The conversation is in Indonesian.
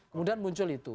kemudian muncul itu